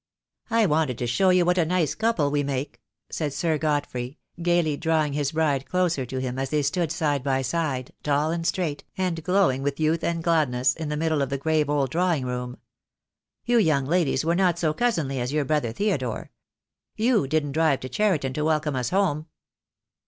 "I wanted to show you what a nice couple we make," said Sir Godfrey, gaily, drawing his bride closer to him, as they stood side by side, tall and straight, and glowing with youth and gladness, in the middle of the grave old drawing room. "You young ladies were not so cousinly as your brother Theodore. You didn't drive to Cheriton to welcome us home."